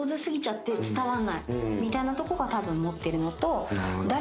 みたいなとこがたぶん持ってるのと。